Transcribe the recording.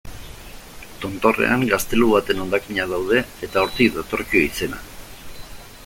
Tontorrean, gaztelu baten hondakinak daude, eta hortik datorkio izena.